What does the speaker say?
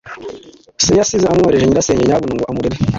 se yasize amwoherereje nyirasenge Nyabunyana ngo amurere.”